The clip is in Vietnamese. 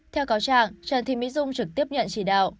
theo cáo trạng trần thị mỹ dung trực tiếp nhận chỉ đạo